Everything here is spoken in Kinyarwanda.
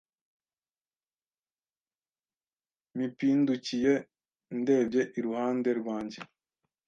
mipindukiye ndebye iruhande rwanjye